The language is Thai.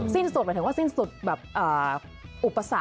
สิ้นสุดหมายถึงว่าสิ้นสุดแบบอุปสรรค